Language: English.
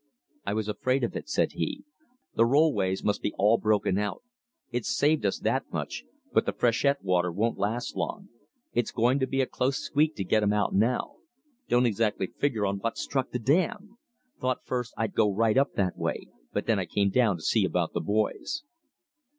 "I was afraid of it," said he. "The rollways must be all broken out. It's saved us that much, but the freshet water won't last long. It's going to be a close squeak to get 'em out now. Don't exactly figure on what struck the dam. Thought first I'd go right up that way, but then I came down to see about the boys."